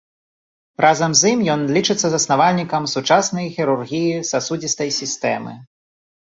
Разам з і ён лічыцца заснавальнікам сучаснай хірургіі сасудзістай сістэмы.